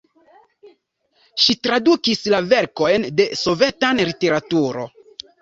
Ŝi tradukis la verkojn de sovetan literaturo.